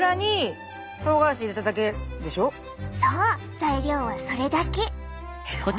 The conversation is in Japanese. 材料はそれだけ！